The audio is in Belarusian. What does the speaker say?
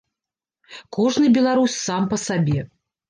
Кожны беларус сам па сабе.